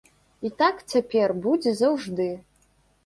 І так цяпер будзе заўжды.